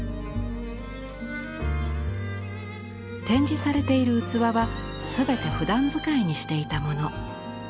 展示されている器は全てふだん使いにしていたもの。